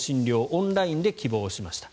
オンラインで希望しました。